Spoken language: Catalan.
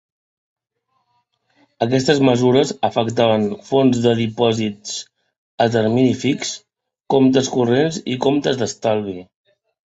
Aquestes mesures afectaven fons de dipòsits a termini fix, comptes corrents i comptes d'estalvi.